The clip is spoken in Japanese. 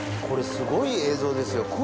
これすごい映像ですよ。